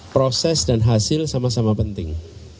proses dan hasil sama sama penting